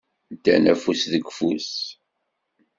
Ddan afus deg ufus.